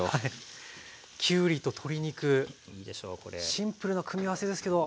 シンプルな組み合わせですけど。